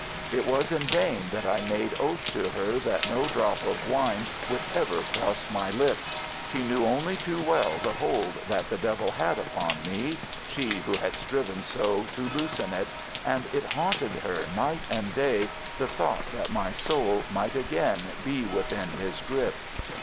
It was in vain that I made oath to her that no drop of wine would ever cross my lips. She knew only too well the hold that the devil had upon me—she who had striven so to loosen it—and it haunted her night and day the thought that my soul might again be within his grip.